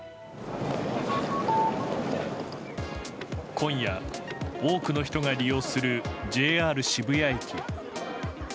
今夜、多くの人が利用するＪＲ渋谷駅。